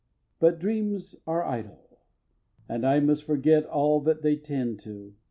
xiv. But dreams are idle, and I must forget All that they tend to.